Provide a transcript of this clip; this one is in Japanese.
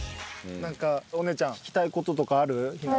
なんかお姉ちゃん聞きたい事とかある？